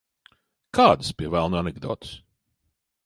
Kādas, pie velna, anekdotes?